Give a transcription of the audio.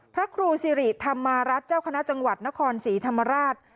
พระครูสิริธรรมารัฐเจ้าคณะจังหวัดนครศรีธรรมราช